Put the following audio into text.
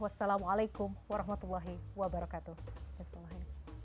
wassalamualaikum warahmatullahi wabarakatuh